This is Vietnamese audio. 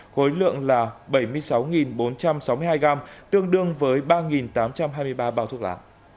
khối lượng là bảy mươi sáu bốn trăm sáu mươi hai gram tương đương với ba tám trăm hai mươi ba bao thuốc lá